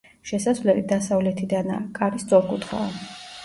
შესასვლელი დასავლეთიდანაა, კარი სწორკუთხაა.